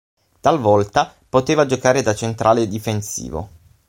Talvolta poteva giocare da centrale difensivo.